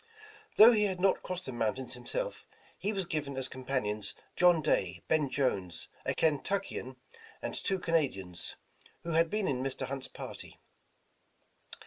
Though he had not crossed the moun tains himself, he was given as campanions John Day, Ben Jones, a Kentuckian, and two Canadians, who had been in Mr. Hunt's party.